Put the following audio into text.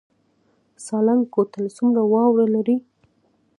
سالنګ کوتل څومره واوره لري؟